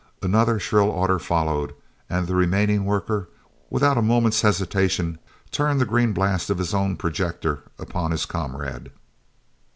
Another shrill order followed, and the remaining worker, without a moment's hesitation, turned the green blast of his own projector upon his comrade.